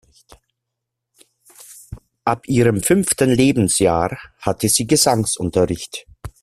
Ab ihrem fünften Lebensjahr hatte sie Gesangsunterricht.